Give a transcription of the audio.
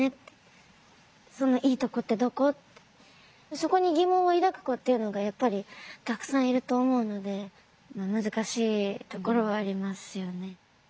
そこに疑問を抱く子っていうのがやっぱりたくさんいると思うので難しいところはありますよね。